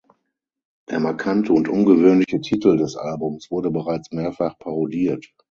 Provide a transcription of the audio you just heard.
Der markante und ungewöhnliche Titel des Albums wurde bereits mehrfach parodiert.